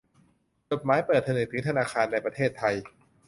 จดหมายเปิดผนึกถึงธนาคารในประเทศไทย